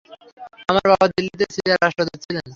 আমার বাবা দিল্লিতে সিরিয়ার রাষ্ট্রদূত ছিলেন।